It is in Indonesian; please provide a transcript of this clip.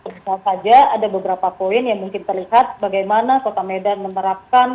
misalnya saja ada beberapa poin yang mungkin terlihat bagaimana kota medan menerapkan